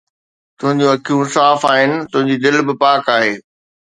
تنهنجون اکيون صاف آهن، تنهنجي دل به پاڪ آهي